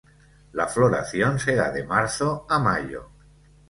La floración se da de marzo a mayo.